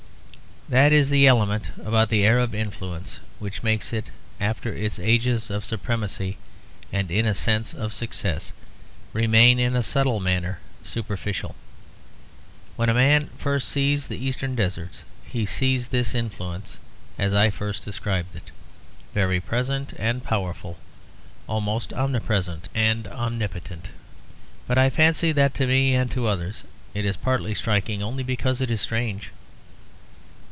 That is the element about the Arab influence which makes it, after its ages of supremacy and in a sense of success, remain in a subtle manner superficial. When a man first sees the Eastern deserts, he sees this influence as I first described it, very present and powerful, almost omnipresent and omnipotent. But I fancy that to me and to others it is partly striking only because it is strange.